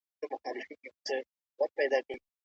مینه او مهرباني د انسان په ژوند کې بدلون راولي.